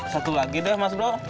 satu lagi deh mas bro